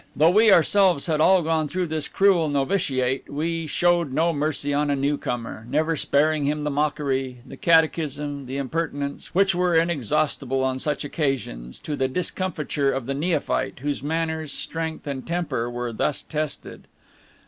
Though we ourselves had all gone through this cruel novitiate, we showed no mercy on a newcomer, never sparing him the mockery, the catechism, the impertinence, which were inexhaustible on such occasions, to the discomfiture of the neophyte, whose manners, strength, and temper were thus tested.